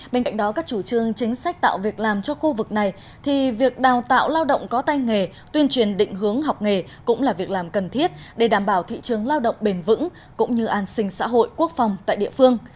bên cạnh đó các chủ trương chính sách tạo việc làm cho khu vực này thì việc đào tạo lao động có tay nghề tuyên truyền định hướng học nghề cũng là việc làm cần thiết để đảm bảo thị trường lao động bền vững cũng như an sinh xã hội quốc phòng tại địa phương